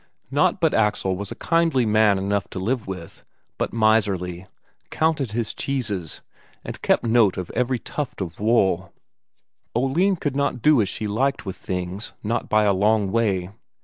Not but Axel was a kindly man enough to live with, but miserly; counted his cheeses, and kept good note of every tuft of wool; Oline could not do as she liked with things, not by a long way.